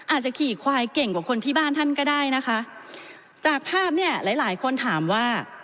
อาจจะขี่ควายเก่งกว่าคนที่บ้านท่านก็ได้นะคะจากภาพเนี้ยหลายหลายคนถามว่า